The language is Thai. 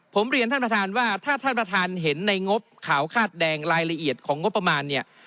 ผมเรียนท่านประธานว่าถ้าท่านประธานเห็นในงบขาวคาดแดงรายละเอียดของงบประมาณเนี่ย